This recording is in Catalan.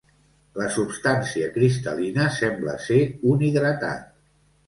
La substància cristal·lina sembla ser un hidratat.